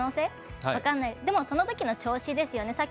そのときの調子ですよね。